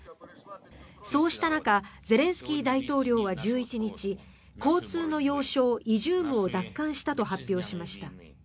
そうした中ゼレンスキー大統領は１１日交通の要衝イジュームを奪還したと発表しました。